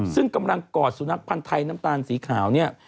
ซึ่งกำลังกอดสุนัขพันธ์ไทยน้ำตาลสีขาวเนี่ย